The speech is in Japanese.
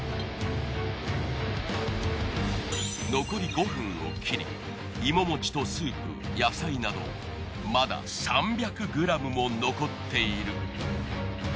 残り５分を切りいももちとスープ野菜などまだ３００ｇも残っている。